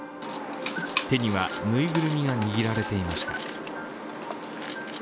手には、ぬいぐるみが握られていました。